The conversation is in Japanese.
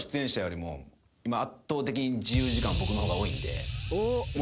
圧倒的に自由時間僕の方が多いんで。